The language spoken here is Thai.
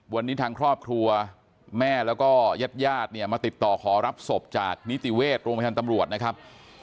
วันนี้ทางครอบครัวแม่แล้วก็ญาติญาติเนี่ยมาติดต่อขอรับศพจากนิติเวชโรงพยาบาลตำรวจนะครับ